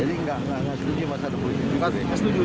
jadi enggak enggak setuju mas